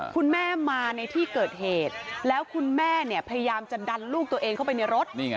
คุณแม่มาในที่เกิดเหตุแล้วคุณแม่เนี่ยพยายามจะดันลูกตัวเองเข้าไปในรถ